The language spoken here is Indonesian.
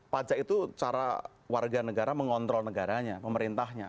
pajak itu cara warga negara mengontrol negaranya pemerintahnya